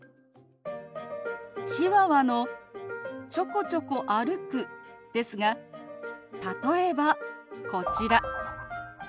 チワワの「ちょこちょこ歩く」ですが例えばこちら。